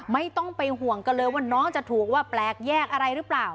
ไม่ต้องไปห่วงกันเลยว่าน้องจะถูกว่าแปลกแยกอะไรหรือเปล่า